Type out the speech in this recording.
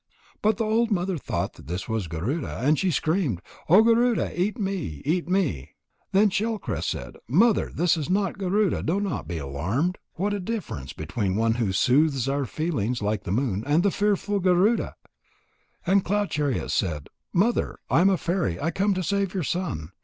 But the old mother thought that this was Garuda, and she screamed: "O Garuda, eat me! Eat me!" Then Shell crest said: "Mother, this is not Garuda. Do not be alarmed. What a difference between one who soothes our feelings like the moon, and the fearful Garuda." And Cloud chariot said: "Mother, I am a fairy, come to save your son.